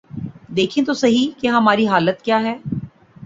دیکھیں تو سہی کہ ہماری حالت کیا ہے۔